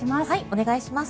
お願いします。